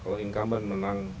kalau income ben menang